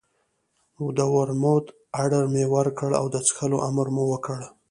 د ورموت اډر مو ورکړ او د څښلو امر مو وکړ.